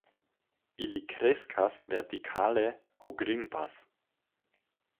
Ili kreskas vertikale aŭ grimpas.